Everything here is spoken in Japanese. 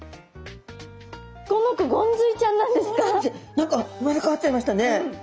何か生まれ変わっちゃいましたね。